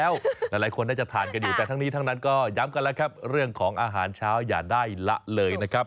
เวรของอาหารเช้ายาได้ละเลยนะครับ